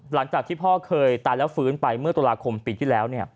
หลังจากที่พ่อเคยตายแล้วฟื้นไปเมื่อตุลาคมปีที่แล้ว